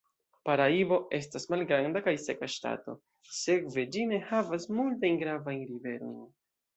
Paraibo estas malgranda kaj seka ŝtato, sekve, ĝi ne havas multajn gravajn riverojn.